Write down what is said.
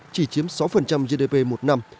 chỉ chiếm sáu gdp một năm